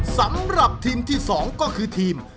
สำหรับทีมที่๒ก็คือทีม